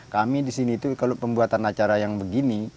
kami di sini itu kalau pembuatan acara yang begini